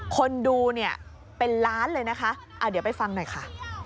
คนดูเนี่ยเป็นล้านเลยนะคะเดี๋ยวไปฟังหน่อยค่ะ